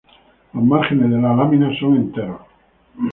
Los márgenes de la lámina son enteros.